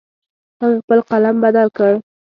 هغې خپل قلم بدل کړ